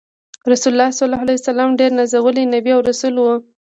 رسول الله ص د الله ډیر نازولی نبی او رسول وو۔